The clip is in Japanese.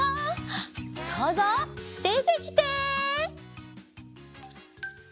そうぞうでてきて！